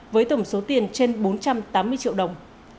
với tổng số tiền trên bốn trăm tám mươi triệu đồng